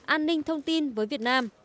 an ninh thông tin với việt nam